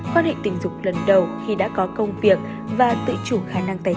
bốn quan hệ tình dục lần đầu khi đã có công việc và tự chủ khả năng tình yêu